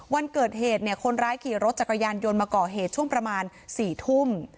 วันเกิดเหตุเนี่ยคนร้ายขี่รถจักรยานยนต์มาก่อเหตุช่วงประมาณ๔ทุ่ม